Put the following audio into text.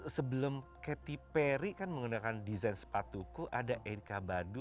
sebelum catty perry kan menggunakan desain sepatuku ada erika badu